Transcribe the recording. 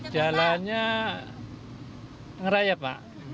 jalannya ngeraya pak